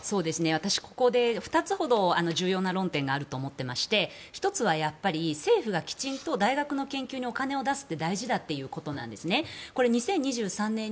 私、ここで２つほど重要な論点があると思っていまして１つは、やはり政府がきちんと大学の研究にお金を出すって大事ということなんですね。